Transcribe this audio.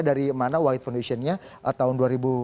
dari mana white foundationnya tahun dua ribu tujuh belas